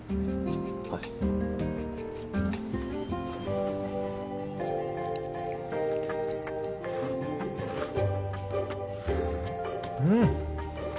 はいうん！